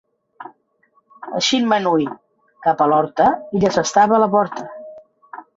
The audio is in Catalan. Eixint-me'n hui cap a l'horta, ella s'estava a la porta.